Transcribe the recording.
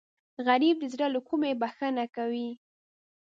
غریب د زړه له کومې بښنه کوي